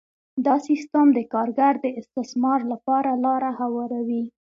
دا سیستم د کارګر د استثمار لپاره لاره هواروي